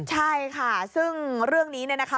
ใช่ค่ะซึ่งเรื่องนี้เนี่ยนะคะ